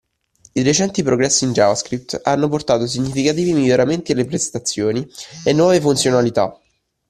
I recenti progressi in JavaScript hanno portato significativi miglioramenti alle prestazioni e nuove funzionalità